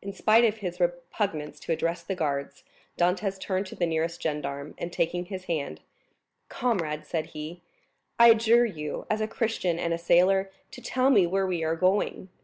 In spite of his repugnance to address the guards, Dantès turned to the nearest gendarme, and taking his hand, "Comrade," said he, "I adjure you, as a Christian and a soldier, to tell me where we are going.